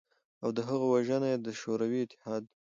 او د هغه وژنه ېې د شوروی اتحاد